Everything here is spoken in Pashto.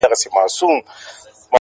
o ستا د تورو سترگو اوښکي به پر پاسم ـ